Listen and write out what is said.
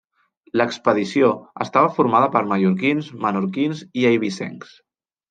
L'expedició estava formada per mallorquins, menorquins i eivissencs.